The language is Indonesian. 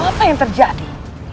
apa yang terjadi